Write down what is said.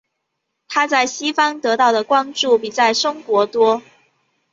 她在西方得到的关注比在中国多。